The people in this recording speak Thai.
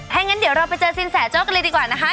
ถ้างั้นเดี๋ยวเราไปเจอสินแสโจ้กันเลยดีกว่านะคะ